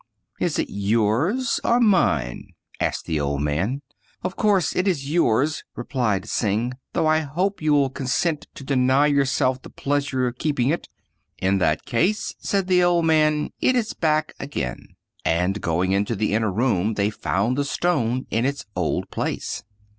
" Is it yours or mine? " asked the old man. " Of course it is yours," replied Hsing, "though I hope you will consent to deny yourself the pleasure of keeping it." " In that case," said the old man, "it is back again" ; and going into the inner room they found the stone in its old place.